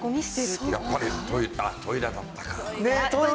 やっぱりトイレ、トイレだったか。